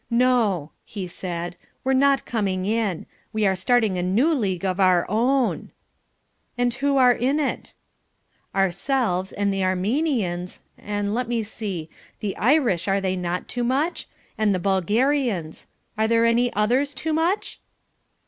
"No," he said, "we're not coming in. We are starting a new league of our own." "And who are in it?" "Ourselves, and the Armenians and let me see the Irish, are they not, Toomuch and the Bulgarians are there any others, Toomuch?"